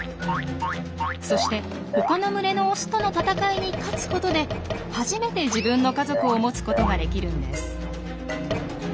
そして他の群れのオスとの戦いに勝つことで初めて自分の家族を持つことができるんです。